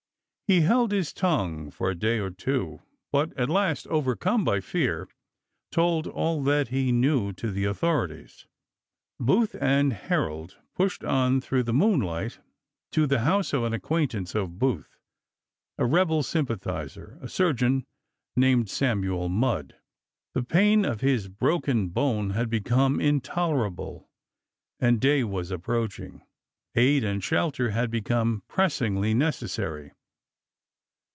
He held his tongue for a day or two ; but at last, overcome by fear, told all that he knew to the authorities. Booth and Herold pushed on through the moonlight to the house of an acquain tance of Booth, a rebel sympathizer, a surgeon named Samuel Mudd. The pain of his broken 308 ABRAHAM LINCOLN cha*. xv. bone had become intolerable and day was ap. Api.i5.i865. proaching; aid and shelter had become pressingly necessary.